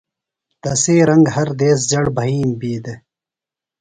تسی رنگ ہر دیس زڑ بھئیم بی دےۡ۔